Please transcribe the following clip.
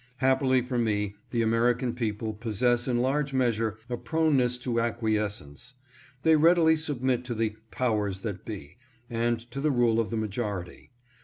Happily for me the American people possess in large measure a proneness to acquiescence. They readily submit to the " powers that be " and to the rule of the majority.